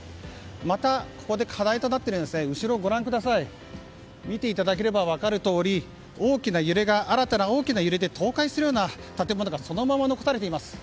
またここで課題となっているのは後ろを見ていただければ分かるとおり新たな大きな揺れで倒壊するような建物がそのまま残されています。